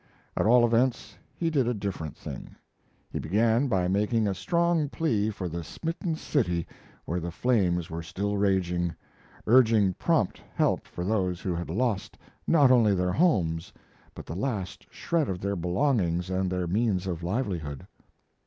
At all events, he did a different thing. He began by making a strong plea for the smitten city where the flames were still raging, urging prompt help for those who had lost not only their homes, but the last shred of their belongings and their means of livelihood.